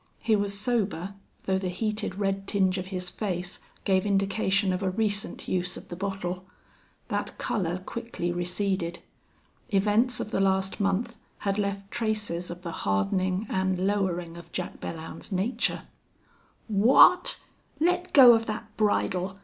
He was sober, though the heated red tinge of his face gave indication of a recent use of the bottle. That color quickly receded. Events of the last month had left traces of the hardening and lowering of Jack Belllounds's nature. "Wha at?... Let go of that bridle!"